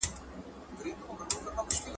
ټولنیز بدلونونه په شعر اغېز کوي.